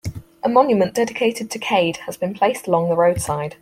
A monument dedicated to Cade has been placed along the roadside.